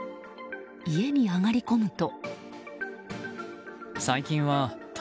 家に上がり込むと。